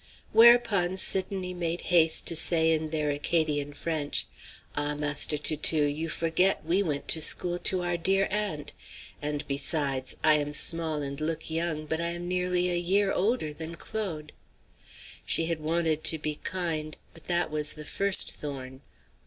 Whereupon Sidonie made haste to say in their Acadian French, "Ah! Master Toutou, you forget we went to school to our dear aunt. And besides, I am small and look young, but I am nearly a year older than Claude." She had wanted to be kind, but that was the first thorn.